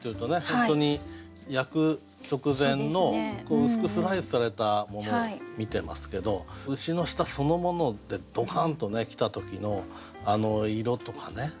本当に焼く直前の薄くスライスされたものを見てますけど牛の舌そのものでドカン！と来た時のあの色とかね